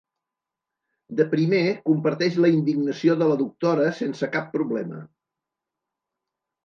De primer, comparteix la indignació de la doctora sense cap problema.